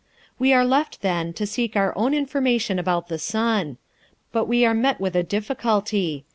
We are left, then, to seek our own information about the sun. But we are met with a difficulty.